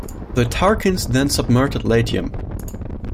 The Tarquins then subverted Latium.